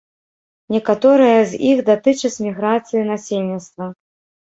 Некаторыя з іх датычаць міграцыі насельніцтва.